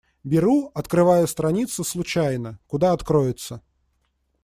Беру, открываю страницу случайно — куда откроется.